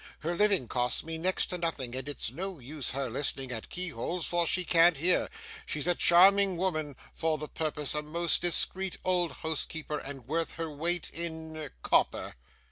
Her living costs me next to nothing; and it's no use her listening at keyholes; for she can't hear. She's a charming woman for the purpose; a most discreet old housekeeper, and worth her weight in copper.